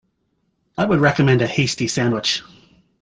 I would recommend a hasty sandwich.